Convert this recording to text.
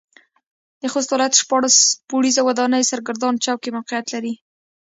د خوست ولايت شپاړس پوړيزه وداني سرګردان چوک کې موقعيت لري.